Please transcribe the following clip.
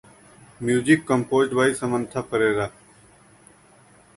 Music composed by Samantha Perera.